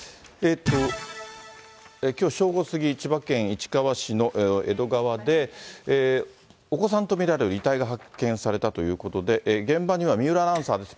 きょう正午過ぎ、千葉県市川市の江戸川で、お子さんと見られる遺体が発見されたということで、現場には三浦アナウンサーです。